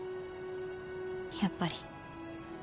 やっぱり。